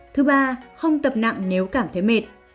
thứ ba không tập nặng nếu cảm thấy mệt